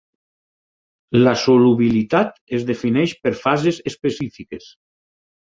La solubilitat es defineix per fases específiques.